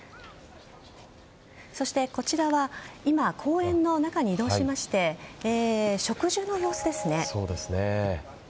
そしてこちらは今、公園の中に移動しまして植樹の様子ですね。